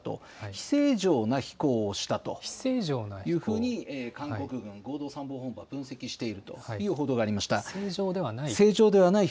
非正常な飛行？というふうに韓国軍合同参謀本部は分析しているという報道が正常ではない？